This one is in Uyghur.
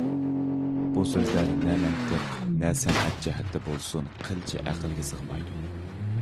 بۇ سۆزلەر نە مەنتىق، نە سەنئەت جەھەتتە بولسۇن قىلچە ئەقىلگە سىغمايدۇ.